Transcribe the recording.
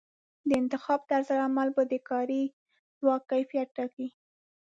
د انتخاب طرزالعمل به د کاري ځواک کیفیت ټاکي.